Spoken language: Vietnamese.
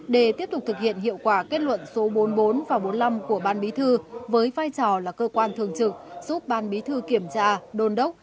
để tiếp tục thực hiện hiệu quả kết luận số bốn mươi bốn và bốn mươi năm của ban bí thư với vai trò là cơ quan thường trực giúp ban bí thư kiểm tra đôn đốc